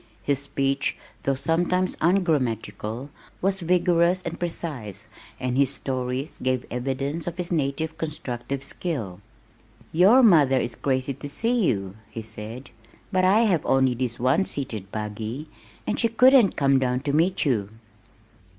His speech though sometimes ungrammatical was vigorous and precise and his stories gave evidence of his native constructive skill. "Your mother is crazy to see you," he said, "but I have only this one seated buggy, and she couldn't come down to meet you."